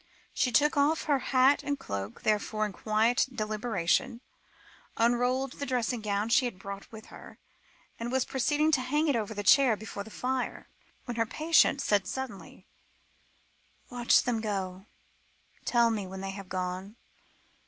She took off her hat and cloak, therefore, with quiet deliberation, unrolled the dressing gown she had brought with her, and was proceeding to hang it over a chair before the fire, when her patient said suddenly: "Watch them go; tell me when they have gone.